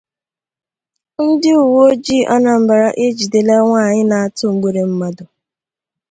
Ndị Uweojii Anambra Ejidela Nwaanyị Na-Atụ Mgbere Mmadụ